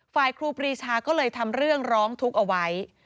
ครูปรีชาก็เลยทำเรื่องร้องทุกข์เอาไว้